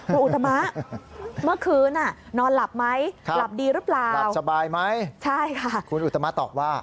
คุณอุตมะเมื่อคืนน่ะนอนหลับไหมหลับดีหรือเปล่า